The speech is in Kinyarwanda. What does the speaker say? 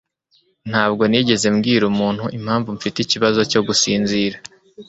Ntabwo nigeze mbwira umuntu impamvu mfite ikibazo cyo gusinzira.